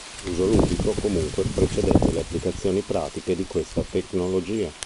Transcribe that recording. L'uso ludico, comunque, precedette le applicazioni pratiche di questa tecnologia.